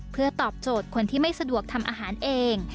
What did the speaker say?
เพื่อตอบโจทย์คนที่ไม่สะดวกทำอาหารเอง